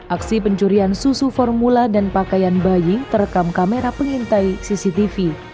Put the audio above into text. aksi pencurian susu formula dan pakaian bayi terekam kamera pengintai cctv